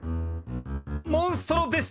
モンストロでした！